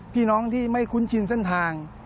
พี่น้องที่ไม่คุ้นชินเส้นทาง